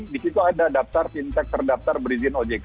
di situ ada daftar fintech terdaftar berizin ojk